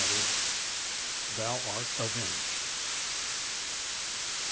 Mother; thou art avenged_!"